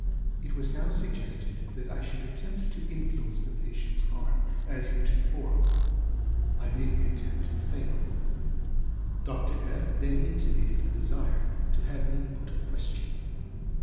It was now suggested that I should attempt to influence the patientŌĆÖs arm, as heretofore. I made the attempt and failed. Dr. FŌĆöŌĆö then intimated a desire to have me put a question.